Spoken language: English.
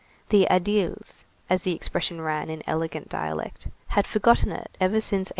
"The ædiles," as the expression ran in elegant dialect, had forgotten it ever since 1814.